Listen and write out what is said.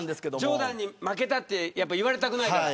ジョーダンに負けたと言われたくないから。